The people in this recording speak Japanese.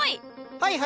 はいはい。